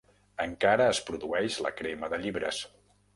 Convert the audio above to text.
Encara es produeix la crema de llibres.